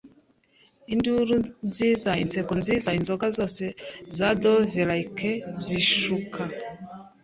Induru nziza inseko nziza Inzoga zose za dovelike zishuka